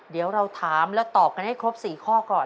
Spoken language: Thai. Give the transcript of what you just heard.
เดี๋ยวเราถามแล้วตอบกันให้ครบ๔ข้อก่อน